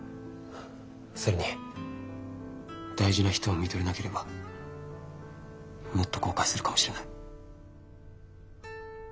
それに大事な人をみとれなければもっと後悔するかもしれない。